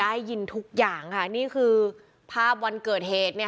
ได้ยินทุกอย่างค่ะนี่คือภาพวันเกิดเหตุเนี่ย